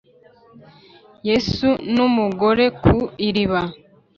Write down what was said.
yesu nu mugore ku iriba